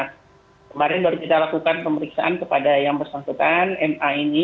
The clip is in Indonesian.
kemarin baru kita lakukan pemeriksaan kepada yang bersangkutan ma ini